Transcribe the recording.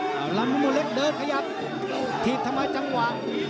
ลำน้ำมูลเล็กเดินขยับทีดทำไมจังหวะ